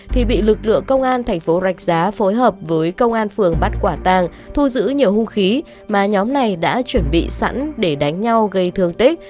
thì bị lực lượng công an thành phố rạch giá phối hợp với công an phường bắt quả tàng thu giữ nhiều hung khí mà nhóm này đã chuẩn bị sẵn để đánh nhau gây thương tích